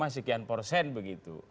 sekian persen begitu